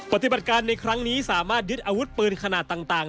ปฏิบัติการในครั้งนี้สามารถยึดอาวุธปืนขนาดต่าง